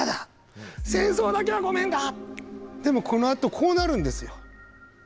でもこのあとこうなるんですよ。